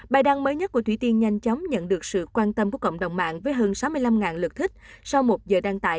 bài đăng mới nhất của thủy tiên nhanh chóng nhận được sự quan tâm của cộng đồng mạng với hơn sáu mươi năm lượt thích sau một giờ đăng tải